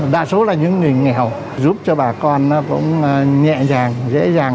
đa số là những người nghèo giúp cho bà con cũng nhẹ dàng dễ dàng